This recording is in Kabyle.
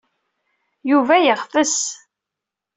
Yuba yeɣtes.